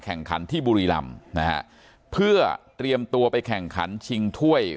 แข่งขันที่บุรีรำนะฮะเพื่อเตรียมตัวไปแข่งขันชิงถ้วย